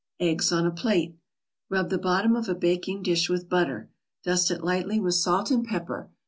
EGGS ON A PLATE Rub the bottom of a baking dish with butter. Dust it lightly with salt and pepper.